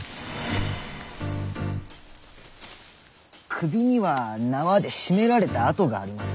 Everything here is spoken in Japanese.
首には縄で絞められた痕があります。